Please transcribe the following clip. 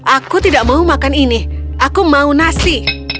aku tidak mau makan ini aku mau nasi